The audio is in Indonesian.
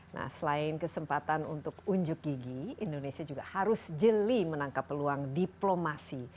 nah selain kesempatan untuk unjuk gigi indonesia juga harus jeli menangkap peluang diplomasi